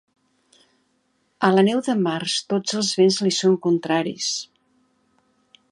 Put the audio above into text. A la neu de març tots els vents li són contraris.